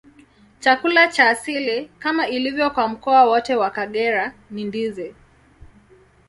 Chakula cha asili, kama ilivyo kwa mkoa wote wa Kagera, ni ndizi.